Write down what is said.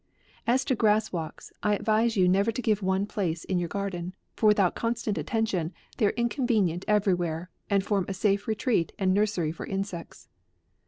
As to grass walks, I advise you never to give one a place in your garden ; for without constant attention, they are inconvenient every where, and form a safe retreat and nursery for insects.